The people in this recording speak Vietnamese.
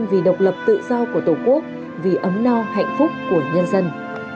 vì ấm no hạnh phúc của nhân dân